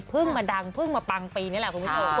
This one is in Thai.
มาดังเพิ่งมาปังปีนี่แหละคุณผู้ชม